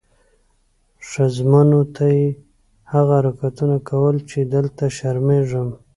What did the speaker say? ښځمنو ته یې هغه حرکتونه کول چې دلته شرمېږم.